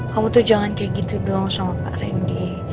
kamu tuh jangan kayak gitu doang sama pak randy